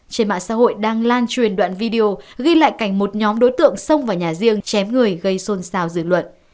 trên mạng xã hội đang lan truyền đoạn video ghi lại cảnh một nhóm đối tượng xông vào nhà riêng chém người gây xôn xào dư luận